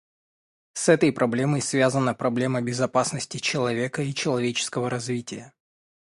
С этой проблемой связана проблема безопасности человека и человеческого развития.